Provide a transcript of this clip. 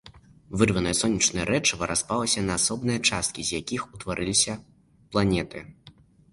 Вырванае сонечнае рэчыва распалася на асобныя часткі, з якіх утварыліся планеты.